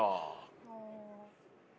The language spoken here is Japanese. ああ。